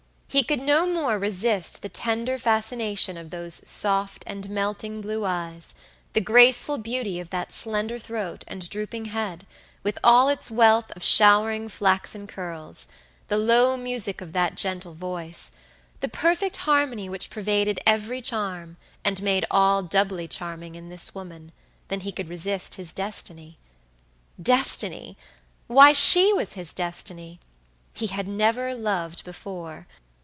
He could no more resist the tender fascination of those soft and melting blue eyes; the graceful beauty of that slender throat and drooping head, with its wealth of showering flaxen curls; the low music of that gentle voice; the perfect harmony which pervaded every charm, and made all doubly charming in this woman; than he could resist his destiny! Destiny! Why, she was his destiny! He had never loved before.